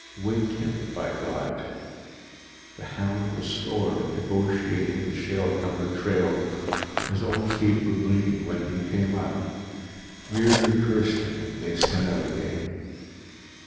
Winged him, by God! The hound was slower in negotiating the shale covered trail; his own feet were bleeding when he came up. Riordan cursed him and they set out again.